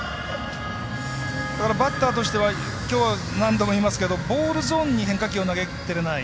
だからバッターとしてはきょう、何度も言いますけどボールゾーンに変化球を投げ切れていない。